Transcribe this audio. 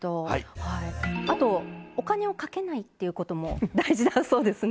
あと、お金をかけないっていうことも大事だそうですね。